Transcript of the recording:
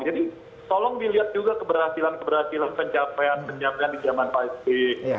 jadi tolong dilihat juga keberhasilan keberhasilan pencapaian pencapaian di zaman pak sby